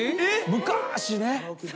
昔ね。